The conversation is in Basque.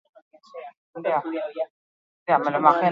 Bihar arte luzatu ditzakete bide mozketak.